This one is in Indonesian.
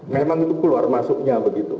memang itu keluar masuknya begitu